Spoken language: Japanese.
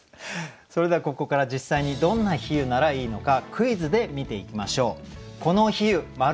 それではここから実際にどんな比喩ならいいのかクイズで見ていきましょう。